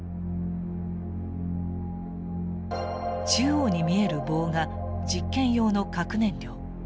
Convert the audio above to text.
中央に見える棒が実験用の核燃料。